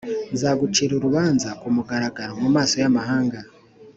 nzagucira urubanza ku mugaragaro mu maso y’amahanga